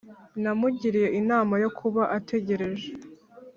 namugiriye inama yo kuba ategereje